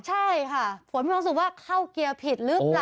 ใช่ค่ะฝนมีความสุขว่าเข้าเกียร์ผิดหรือเปล่า